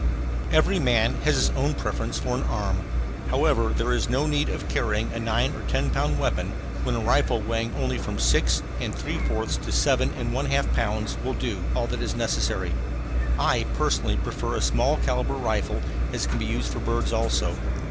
Every man has his own preference for an arm. However, there is no need of carrying a nine or ten pound weapon when a rifle weighing only from six and three fourths to seven and one half pounds will do all that is necessary. I, personally, prefer the small calibre rifle, as it can be used for birds also.